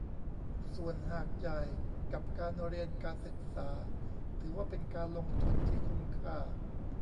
ส่วนหากจ่ายกับการเรียนการศึกษาถือว่าเป็นการลงทุนที่คุ้มค่า